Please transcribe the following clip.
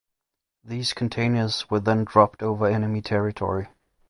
These containers were then dropped over enemy territory.